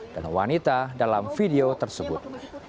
dan wanita dalam video tersebut